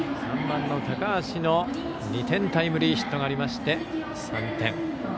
３番の高橋の２点タイムリーヒットがあり３点。